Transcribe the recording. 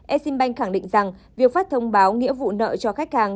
exim bank khẳng định rằng việc phát thông báo nghĩa vụ nợ cho khách hàng